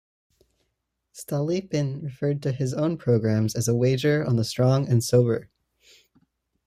Stolypin referred to his own programs as a "wager on the strong and sober".